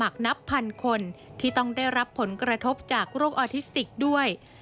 นับพันคนที่ต้องได้รับผลกระทบจากโรคออทิสติกด้วย